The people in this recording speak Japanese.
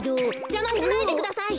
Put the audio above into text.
じゃましないでください！